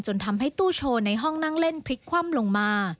ทำให้ตู้โชว์ในห้องนั่งเล่นพลิกคว่ำลงมา